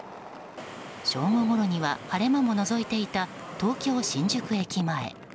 正午ごろには晴れ間ものぞいていた東京・新宿駅前。